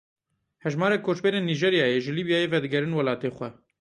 Hejmarek koçberên Nîjeryayê ji Lîbyayê vedigerin welatê xwe.